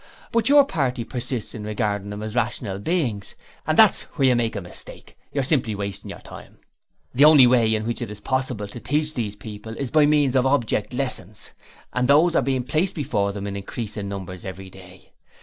But your party persists in regarding them as rational beings, and that's where you make a mistake you're simply wasting your time. 'The only way in which it is possible to teach these people is by means of object lessons, and those are being placed before them in increasing numbers every day.